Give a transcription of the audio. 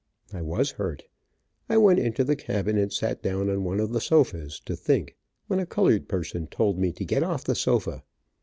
I was hurt. I went into the cabin and sat down on one of the sofas, to think, when a colored person told me to get off the sofa.